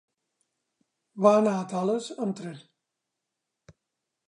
Va anar a Tales amb tren.